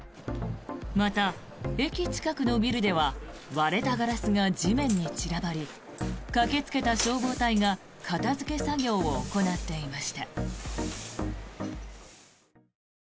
また、駅近くのビルでは割れたガラスが地面に散らばり駆けつけた消防隊が片付け作業を行っていました。